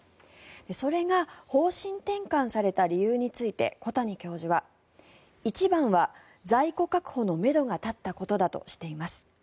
それが方針転換された理由について小谷教授は一番は在庫確保のめどが立ったことだとしています。